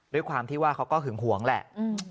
ด้วยความที่ว่าเขาก็หึงหวงแหละ